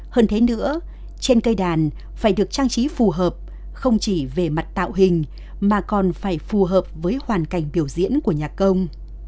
hơn thế nữa trên cây đàn phải được trang trí phù hợp không chỉ về mặt tạo hình mà còn phải phù hợp với hoàn cảnh biểu diễn của nhạc công